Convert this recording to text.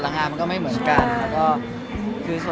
อะไรอย่างนี้ครับผมให้พวกเราทำอะไรก็ได้ครับ